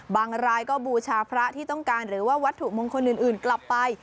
รายก็บูชาพระที่ต้องการหรือว่าวัตถุมงคลอื่นกลับไป